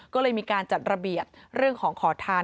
ก็เลยมีการจัดระเบียบเรื่องของขอทาน